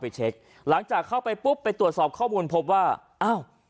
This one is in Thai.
เช็คหลังจากเข้าไปปุ๊บไปตรวจสอบข้อมูลพบว่าอ้าว